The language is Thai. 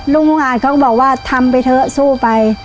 ลุงอุอาจเขาก็บอกว่าทำไปเถอะสู้ไป